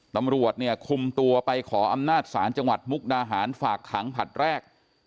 ตำรวจเนี่ยคุมตัวไปขออำนาจศาลจังหวัดมุกดาหารฝากขังผลัดแรก